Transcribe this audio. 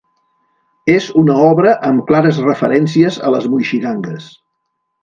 És una obra amb clares referències a les moixigangues.